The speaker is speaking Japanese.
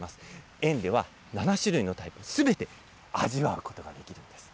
園では７種類のタイプすべて味わうことができるんです。